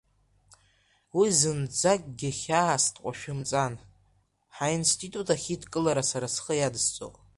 Уи зынӡакгьы хьаас дҟашәымҵан, ҳаинститут ахь идкылара сара схы иадысҵоит.